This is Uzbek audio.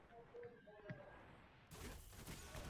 Uzoq termulib uqib olishi mumkinday edi.